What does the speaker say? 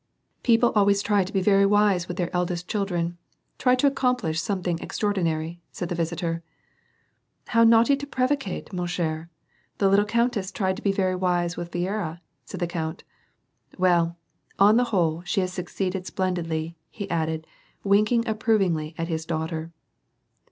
"People always try to be very wise with their eldest children, — try to accomplish something extraordinary," said the visitor. " How naughty to prevaricate, ma chhre I The little coun tess tried to be very wise with Viera," said the count. " Well, on the whole, she has succeeded splendidly," he added, wink ing approvingly at his daughter.